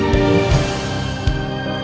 abang terima kasih ya